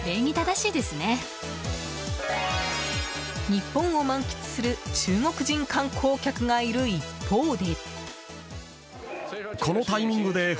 日本を満喫する中国人観光客がいる一方で。